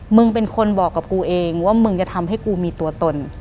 มึงเป็นคนบอกกับกูเองว่ามึงจะทำให้กูมีตัวตน